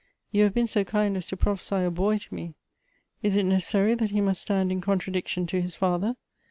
You have been so kind as to prophesy a boy to me. Is it necessary that he must stand in contradiction to his father